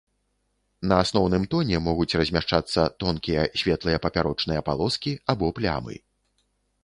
На асноўным тоне могуць размяшчацца тонкія светлыя папярочныя палоскі або плямы.